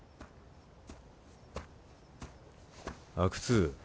阿久津